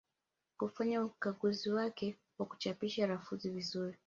Kufanya ukaguzi wake na kuchapisha lafudhi vizuri